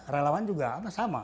relawan juga sama